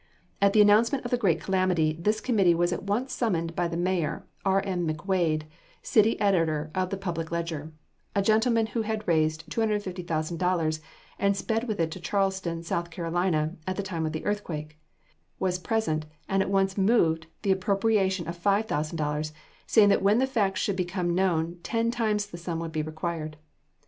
At the announcement of the great calamity, this committee was at once summoned by the mayor. R. M. McWade, city editor of the Public Ledger, [Illustration: CONEMAUGH VIADUCT.] a gentleman who had raised $25,000 and sped with it to Charleston, South Carolina, at the time of the earthquake, was present, and at once moved the appropriation of $5,000, saying that when the facts should become known, ten times the sum would be required.